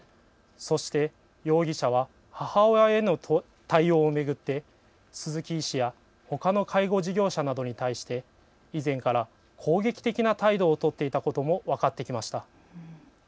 そして、容疑者は母親への対応を巡って鈴木医師やほかの介護事業者などに対して以前から攻撃的な態度を取っていたことも分かってきました。